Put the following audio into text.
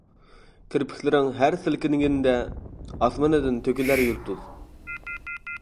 كىرپىكلىرىڭ ھەر سىلكىنگەندە، ئاسمىنىدىن تۆكۈلەر يۇلتۇز.